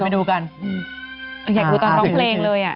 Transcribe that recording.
อยากรู้ตอนร้องเพลงเลย